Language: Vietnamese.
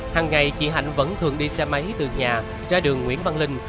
hằng ngày chị hạnh vẫn thường đi xe máy từ nhà ra đường nguyễn văn linh